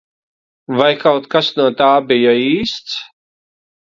Vai kaut kas no tā bija īsts?